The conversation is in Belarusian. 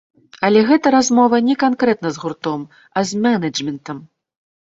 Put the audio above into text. Але гэта размова не канкрэтна з гуртом, а з мэнэджмэнтам.